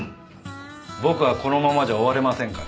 僕はこのままじゃ終われませんから。